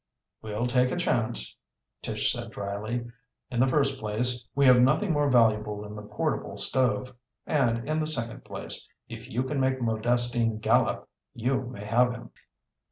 "We'll take a chance," Tish said dryly. "In the first place, we have nothing more valuable than the portable stove; and in the second place, if you can make Modestine gallop you may have him."